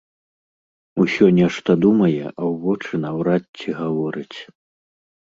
Усё нешта думае, а ў вочы наўрад ці гаворыць.